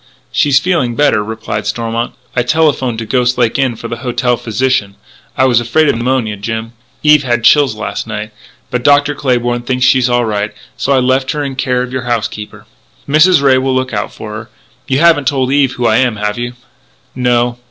"She's feeling better," replied Stormont. "I telephoned to Ghost Lake Inn for the hotel physician.... I was afraid of pneumonia, Jim. Eve had chills last night.... But Dr. Claybourn thinks she's all right.... So I left her in care of your housekeeper." "Mrs. Ray will look out for her.... You haven't told Eve who I am, have you?" "No."